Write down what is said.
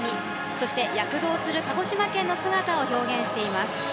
そして、躍動する鹿児島県の姿を表現しています。